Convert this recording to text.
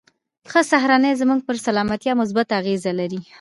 ښه سهارنۍ زموږ پر سلامتيا مثبته اغېزه لري.